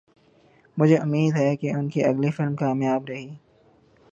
مجھے امید ہے کہ ان کی اگلی فلم کامیاب رہی